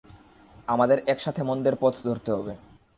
আমাদের একসাথে মন্দের পথ ধরতে হবে।